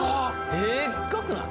でっかくない？